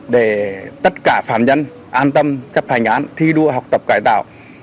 để tất cả phạm nhân an tâm chấp hành án thi đua học tập cải tạo